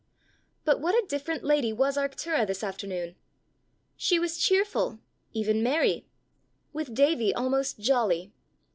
But what a different lady was Arctura this afternoon! She was cheerful, even merry with Davie, almost jolly.